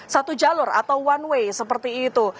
satu jalur atau one way seperti itu